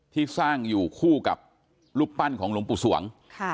ที่สร้างอยู่คู่กับรูปปั้นของลมปุศวงค์